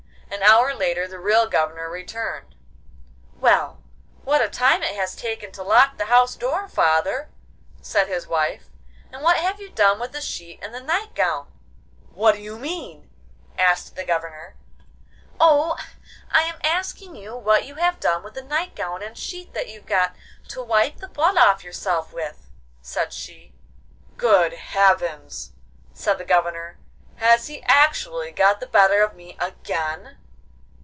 An hour later the real Governor returned. 'Well, what a time it has taken to lock the house door, father!' said his wife, 'and what have you done with the sheet and the night gown?' 'What do you mean?' asked the Governor. 'Oh, I am asking you what you have done with the night gown and sheet that you got to wipe the blood off yourself with,' said she. 'Good heavens!' said the Governor, 'has he actually got the better of me again?